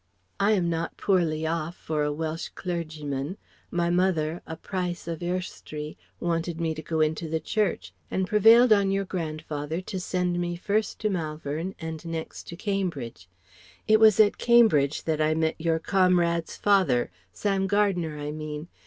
I am not poorly off for a Welsh clergyman. My mother a Price of Ystrwy wanted me to go into the Church and prevailed on your grandfather to send me first to Malvern and next to Cambridge. It was at Cambridge that I met your comrade's father Sam Gardner, I mean.